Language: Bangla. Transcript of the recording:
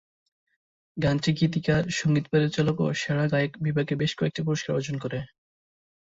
গানটি গীতিকার, সঙ্গীত পরিচালক ও সেরা গায়ক বিভাগে বেশ কয়েকটি পুরস্কার অর্জন করে।